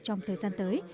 trong thời gian tới